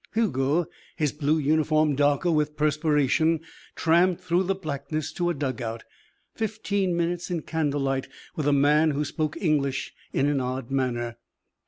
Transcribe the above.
Hugo, his blue uniform darker with perspiration, tramped through the blackness to a dug out. Fifteen minutes in candlelight with a man who spoke English in an odd manner.